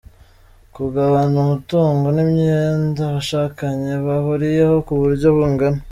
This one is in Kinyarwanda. Kugabana umutungo n’imyenda abashakanye bahuriyeho ku buryo bungana.